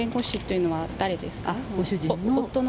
ご主人の。